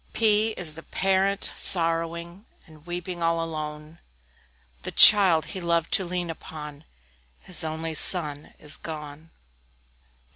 P P is the Parent, sorrowing, And weeping all alone The child he loved to lean upon, His only son, is gone!